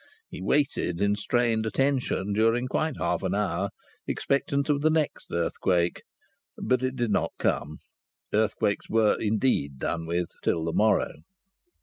He waited in strained attention during quite half an hour, expectant of the next earthquake. But it did not come. Earthquakes were, indeed, done with till the morrow.